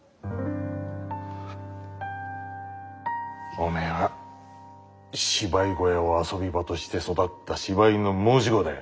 おめえは芝居小屋を遊び場として育った芝居の申し子だ。